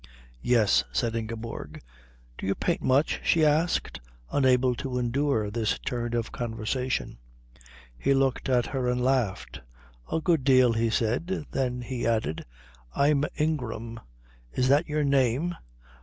"Yes," said Ingeborg. "Do you paint much?" she asked, unable to endure this turn of the conversation. He looked at her and laughed. "A good deal," he said. Then he added, "I'm Ingram." "Is that your name?